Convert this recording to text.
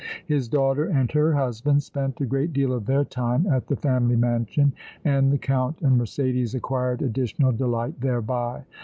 His daughter and her husband spent a great deal of their time at the family mansion, and the Count and Mercédès acquired additional delight thereby.